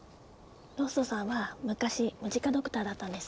ロッソさんは昔ムジカドクターだったんです。